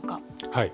はい。